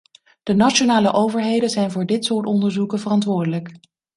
De nationale overheden zijn voor dit soort onderzoeken verantwoordelijk.